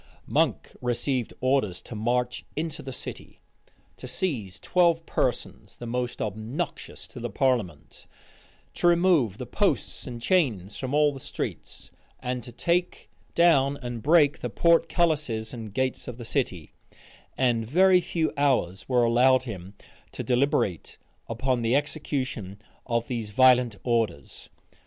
Monk received orders to march into the city; to seize twelve persons, the most obnoxious to the parliament; to remove the posts and chains from all the streets; and to take down and break the portcullises and gates of the city; and very few hours were allowed him to deliberate upon the execution of these violent orders.